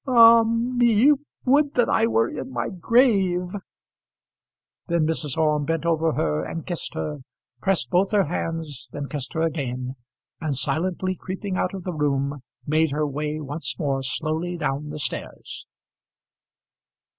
"Ah, me! Would that I were in my grave!" Then Mrs. Orme bent over her and kissed her, pressed both her hands, then kissed her again, and silently creeping out of the room made her way once more slowly down the stairs.